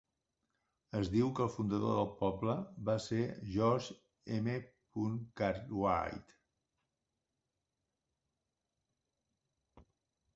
Es diu que el fundador del poble va ser George M. Cartwright.